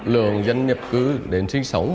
lượng dân nhập cư đến sinh sống